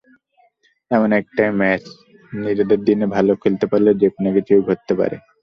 এখন একটাই ম্যাচ, নিজেদের দিনে ভালো খেলতে পারলে যেকোনো কিছুই ঘটতে পারে।